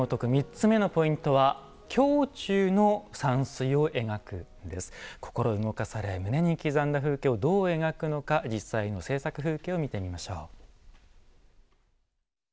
３つ目のポイントは心動かされ胸に刻んだ風景をどう描くのか実際の制作風景を見てみましょう。